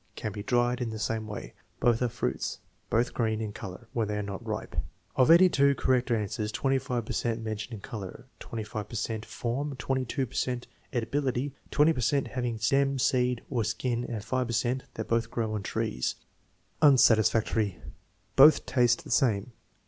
"Can be dried in the same way." "Both are fruits." "Both green (in color) when they are not ripe." Of 82 correct answers, 25 per cent mention color; So per cent, form; % per cent, edibility; 20 per cent, having stem, seed, or skin; and 5 per cent, that both grow on trees. Unsatisfactory. "Both taste the same."